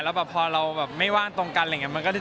แล้วแบบพอเราแบบไม่ว่างตรงกันอะไรอย่างนี้